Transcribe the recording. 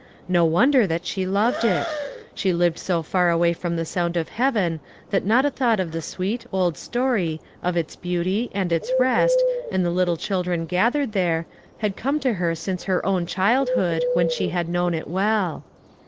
No wonder that she loved it ! She lived so THE PROOF OF THE DIVINE HAND. 283 far away from the sound of Heaven that not a thought of the sweet, old story, of its beauty, and its rest, and the little children gathered there, had come to her since her own childhood, when she had known it well.